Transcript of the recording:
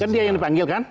kan dia yang dipanggil kan